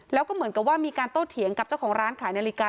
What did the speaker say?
แล้วก็เหมือนกับว่ามีการโต้เถียงกับเจ้าของร้านขายนาฬิกา